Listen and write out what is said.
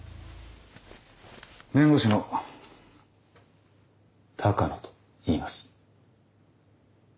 弁護士の鷹野といいます。